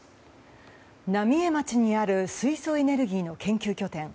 浪江町にある水素エネルギーの研究拠点。